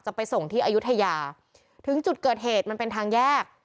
ไปส่งที่อายุทยาถึงจุดเกิดเหตุมันเป็นทางแยก